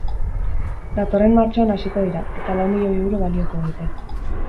Datorren martxoan hasiko dira, eta lau milioi euro balioko dute.